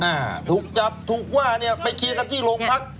อ้าถูกจับถูกว่าไปเคียงกันที่โรงพักษณ์